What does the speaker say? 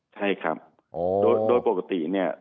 ใช่ครับโดยปกติเนี่ย